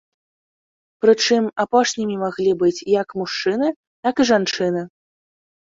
Прычым, апошнімі маглі быць як мужчыны, так і жанчыны.